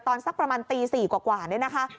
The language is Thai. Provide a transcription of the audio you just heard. สักประมาณตี๔กว่านี่นะคะ